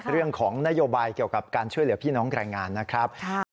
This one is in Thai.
เรื่องของนโยบายเกี่ยวกับการช่วยเหลือพี่น้องแรงงานนะครับ